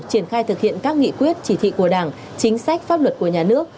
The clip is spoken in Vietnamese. triển khai thực hiện các nghị quyết chỉ thị của đảng chính sách pháp luật của nhà nước